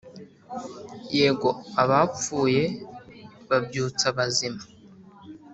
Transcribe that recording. yego abapfuye babyutsa abazima